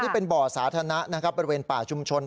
เป็นเบาะสาธุณะ